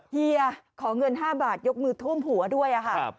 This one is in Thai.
เฮียขอเงิน๕บาทยกมือทุ่มหัวด้วยค่ะ